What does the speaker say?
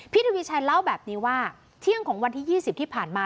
ทวีชัยเล่าแบบนี้ว่าเที่ยงของวันที่๒๐ที่ผ่านมา